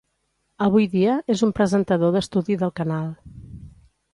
Avui dia, és un presentador d'estudi del canal.